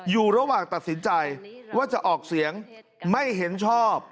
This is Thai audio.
อยู่ระหว่างตัดสินใจว่าจะออกเสียงไม่เห็นชอบ